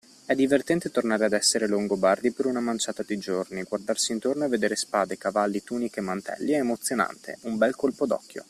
È divertente tornare ad essere longobardi per una manciata di giorni, guardarsi intorno e vedere spade, cavalli, tuniche e mantelli è emozionante , un bel colpo d’occhio.